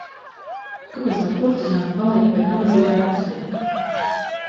Kāpēc lai kurtizāne paliek pie nabadzīgā rakstnieka?